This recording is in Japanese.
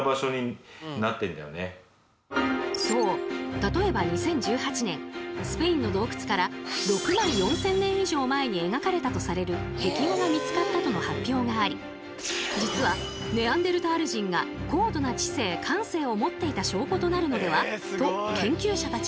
例えば２０１８年スペインの洞窟から６万４，０００年以上前に描かれたとされる壁画が見つかったとの発表があり実はネアンデルタール人が高度な知性・感性を持っていた証拠となるのでは？と研究者たちは騒然。